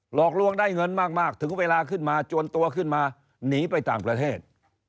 หลอกลวงได้เงินมากถึงเวลาขึ้นมาจวนตัวขึ้นมาหนีไปต่างประเทศ